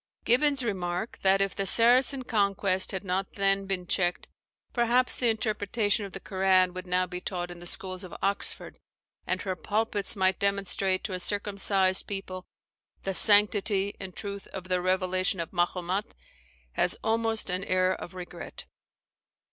[Vol, vii. p. 11, ET SEQ. Gibbon's remark, that if the Saracen conquest had not then been checked, "Perhaps the interpretation of the Koran would now be taught in the schools of Oxford, and her pulpits might demonstrate to a circumcised people the sanctity and truth of the revelation of Mahomat," has almost an air of regret.